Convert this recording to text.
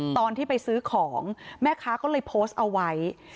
ตอนที่ไปซื้อของแม่ค้าก็เลยโพสต์เอาไว้